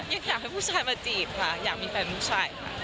อยากให้ผู้ชายมาจีบค่ะอยากมีแฟนผู้ชายค่ะ